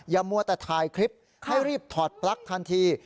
มัวแต่ถ่ายคลิปให้รีบถอดปลั๊กทันที